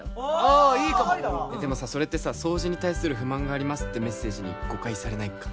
ああいいかもでもさそれってさ掃除に対する不満がありますってメッセージに誤解されないか？